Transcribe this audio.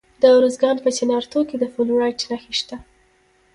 د ارزګان په چنارتو کې د فلورایټ نښې شته.